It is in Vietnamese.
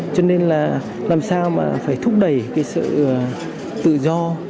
cho nên là làm sao mà phải thúc đẩy cái sự tự do